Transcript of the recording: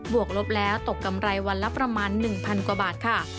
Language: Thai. วกลบแล้วตกกำไรวันละประมาณ๑๐๐กว่าบาทค่ะ